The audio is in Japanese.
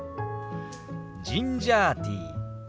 ジンジャーティー。